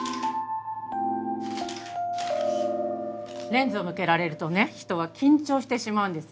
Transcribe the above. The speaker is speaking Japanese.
レンズを向けられるとね人は緊張してしまうんです。